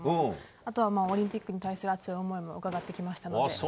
あとはオリンピックに対する熱い思いも伺ってきました。